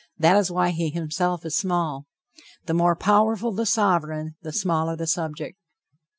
That is why he himself is small. The more powerful the sovereign, the smaller the subject.